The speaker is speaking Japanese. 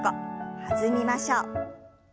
弾みましょう。